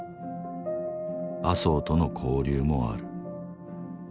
麻生との交流もある